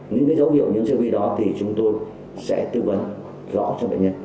những dấu hiệu nhiễm vi đó thì chúng tôi sẽ tư vấn rõ cho bệnh nhân